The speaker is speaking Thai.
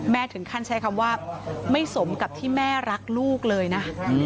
ถึงขั้นใช้คำว่าไม่สมกับที่แม่รักลูกเลยนะ